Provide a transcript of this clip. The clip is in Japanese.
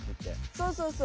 そうそうそう。